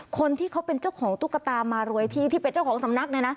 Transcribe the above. คนที่เขาเป็นเจ้าของตุ๊กตามารวยที่ที่เป็นเจ้าของสำนักเนี่ยนะ